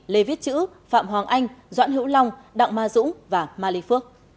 lê viết chữ phạm hoàng anh doãn hữu long đặng ma dũng và ma ly phước